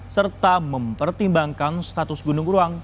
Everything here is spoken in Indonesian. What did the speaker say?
serta mempertimbangkan status gunung beruang